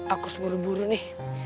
aku semburu buru nih